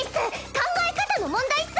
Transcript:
考え方の問題っス。